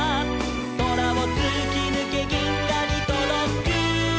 「そらをつきぬけぎんがにとどく」